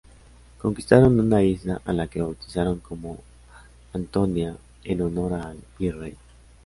Conquistaron una isla a la que bautizaron como Antonia en honor al virrey.